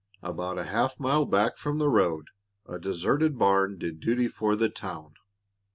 About half a mile back from the road a deserted barn did duty for the "town."